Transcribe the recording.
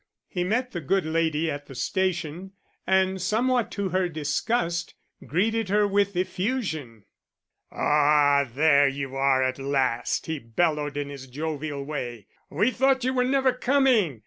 He met the good lady at the station, and somewhat to her disgust greeted her with effusion. "Ah, here you are at last!" he bellowed, in his jovial way. "We thought you were never coming.